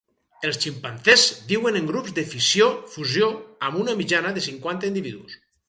Els ximpanzés viuen en grups de fissió-fusió amb una mitjana de cinquanta individus.